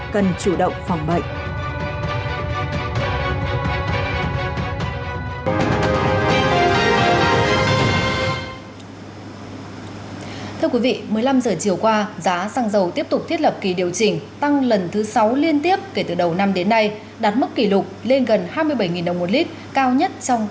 cần chủ động phòng bệnh